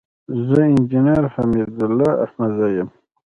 زه انجينر حميدالله احمدزى يم.